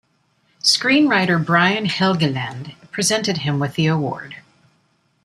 Screenwriter Brian Helgeland presented him with the Award.